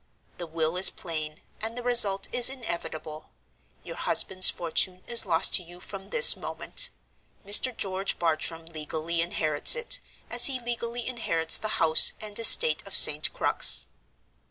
The will is plain, and the result is inevitable. Your husband's fortune is lost to you from this moment. Mr. George Bartram legally inherits it, as he legally inherits the house and estate of St. Crux.